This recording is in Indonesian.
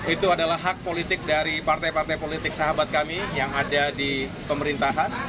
itu adalah hak politik dari partai partai politik sahabat kami yang ada di pemerintahan